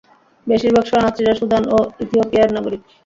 বেশিরভাগ শরণার্থীরা সুদান ও ইথিওপিয়ার নাগরিক।